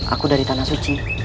aku dari tanah suci